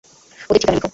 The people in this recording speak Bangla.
ওদের ঠিকানা লিখ।